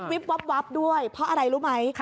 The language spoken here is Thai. วับด้วยเพราะอะไรรู้ไหม